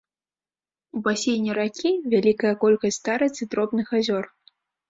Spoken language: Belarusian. У басейне ракі вялікая колькасць старыц і дробных азёр.